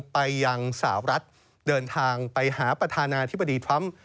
ไปยังสาวรัฐเดินทางไปหาประธานาธิบดีทรัมป์